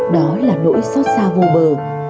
đó là nỗi xót xa vô bờ